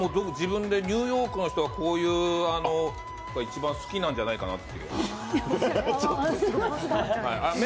ニューヨークの人はこういうのが一番好きなんじゃないかなって。